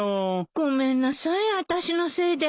ごめんなさい私のせいで。